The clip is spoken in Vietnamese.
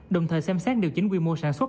đồng thời xem xét điều chính quy mô sản xuất